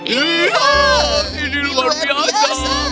iya ini luar biasa